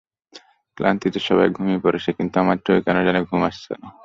ক্লান্তিতে সবাই ঘুমিয়ে পড়েছে কিন্তু আমার চোখে কেন জানি ঘুম আসছে না।